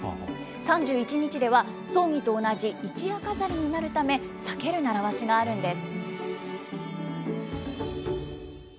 ３１日では、葬儀と同じ一夜飾りになるため、避ける習わしがあるんです。